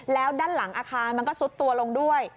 แล้วด้านหลังอาคารมันก็ซุดตัวลงด้วย